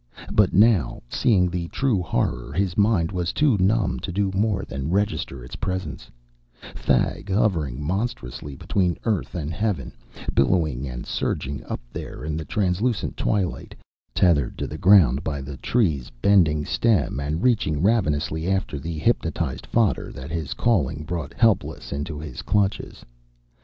But now, seeing the true horror, his mind was too numb to do more than register its presence: Thag, hovering monstrously between earth and heaven, billowing and surging up there in the translucent twilight, tethered to the ground by the Tree's bending stem and reaching ravenously after the hypnotized fodder that his calling brought helpless into his clutches.